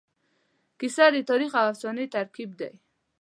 کیسه د تاریخ او افسانې ترکیب دی.